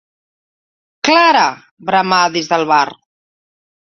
Clara! —bramà des del bar—.